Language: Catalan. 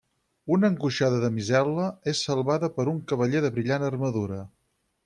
Una angoixada damisel·la és salvada per un cavaller de brillant armadura.